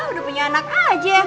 udah punya anak aja